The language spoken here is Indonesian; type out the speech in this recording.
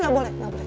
gak boleh gak boleh